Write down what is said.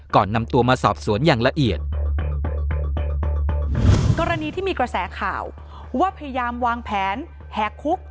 ก่อนนำตัวมาสอบสวนอย่างละเอียดกรณีที่มีกระแสข่าวว่าพยายามวางแผนแหกคุก